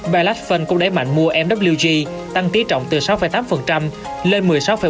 bà lách fund cũng đẩy mạnh mua mwg tăng tí trọng từ sáu tám lên một mươi sáu bốn mươi một